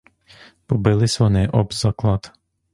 Побились вони об заклад.